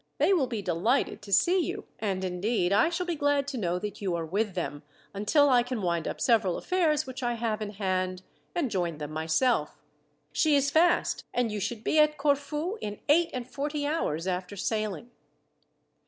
They will be delighted to see you, and indeed, I shall be glad to know that you are with them, until I can wind up several affairs which I have in hand, and join them myself. She is fast, and you should be at Corfu in eight and forty hours after sailing."